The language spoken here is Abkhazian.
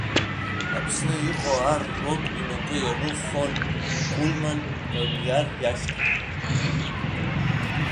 Аԥсны иҟоу ар роуп инапы иану фон Кульман Кониар иашьҭахь.